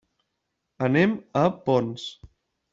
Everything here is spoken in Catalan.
Anem a Ponts.